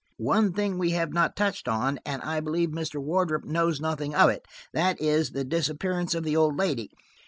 "One thing we have not touched on, and I believe Mr. Wardrop knows nothing of it. That is, the disappearance of the old lady.